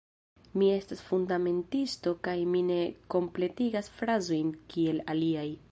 Mi estas fundamentisto kaj mi ne kompletigas frazojn kiel aliaj...